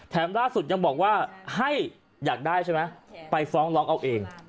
ล่าสุดยังบอกว่าให้อยากได้ใช่ไหมไปฟ้องร้องเอาเอง